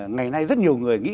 ngày nay rất nhiều người nghĩ